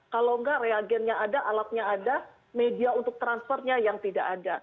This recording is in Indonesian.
kalau enggak reagennya ada alatnya ada media untuk transfernya yang tidak ada